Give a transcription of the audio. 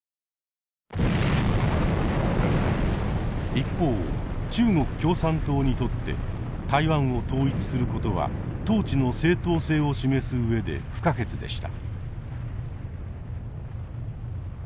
一方中国共産党にとって台湾を統一することは統治の正統性を示す上で不可欠でした。